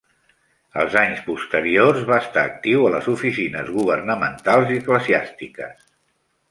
Els anys posteriors va estar actiu a les oficines governamentals i eclesiàstiques.